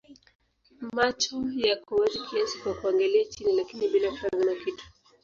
Macho yako wazi kiasi kwa kuangalia chini lakini bila kutazama kitu.